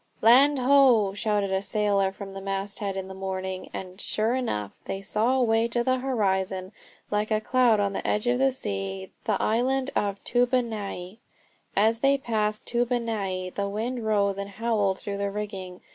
"Land ho!" shouted a sailor from the masthead in the morning, and, sure enough, they saw away on the horizon, like a cloud on the edge of the sea, the island of Toobonai. As they passed Toobonai the wind rose and howled through the rigging.